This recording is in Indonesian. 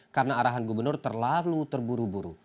karena arahan gubernur terlalu terburu buru